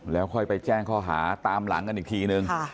แล้วค่อยไปแจ้งข้อหาตามหลังกันอีกทีนึง